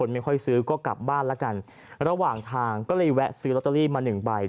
ไม่ค่อยซื้อก็กลับบ้านแล้วกันระหว่างทางก็เลยแวะซื้อลอตเตอรี่มาหนึ่งใบ